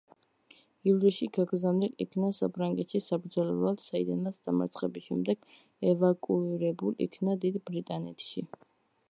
ივლისში გაგზავნილ იქნა საფრანგეთში საბრძოლველად, საიდანაც დამარცხების შემდეგ ევაკუირებულ იქნა დიდ ბრიტანეთში.